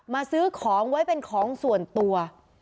ซื้อของไว้เป็นของส่วนตัว